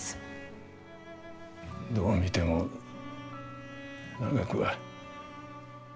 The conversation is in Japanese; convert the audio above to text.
どう見ても長くは。